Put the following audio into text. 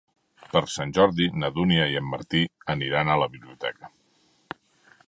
Per Sant Jordi na Dúnia i en Martí aniran a la biblioteca.